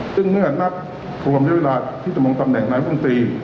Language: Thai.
ซึ่งเมื่อนับรวมเรียบร้อยเวลาที่จะลงตำแหน่งนายกรมนตรี